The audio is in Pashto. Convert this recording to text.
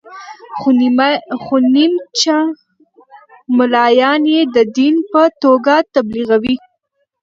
خو نیمچه ملایان یې د دین په توګه تبلیغوي.